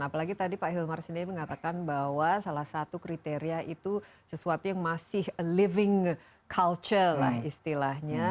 apalagi tadi pak hilmar sendiri mengatakan bahwa salah satu kriteria itu sesuatu yang masih living culture lah istilahnya